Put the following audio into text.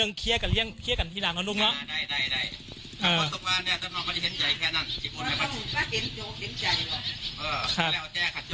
เออแล้วแจ้ขัดโจบตอนนี้ต้องยินตัว